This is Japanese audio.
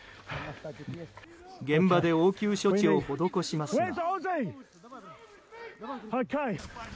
現場で応急処置を施しますが。